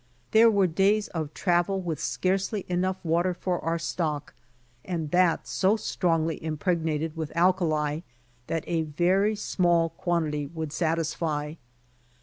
There were days of travel with scarcely enough water for our stock, and that so strongly impregnated with alkali that a very small quantity would satisfy.